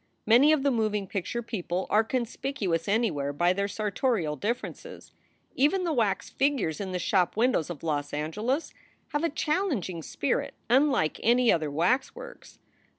Many of the moving picture people are conspicuous anywhere by their sartorial differences. Even the wax figures in the shop windows of Los Angeles have a challenging spirit unlike any other waxworks.